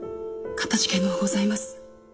かたじけのうございます。